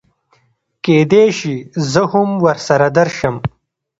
کېدی شي زه هم ورسره درشم